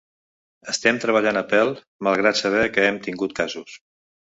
Estem treballant a pèl malgrat saber que hem tingut casos.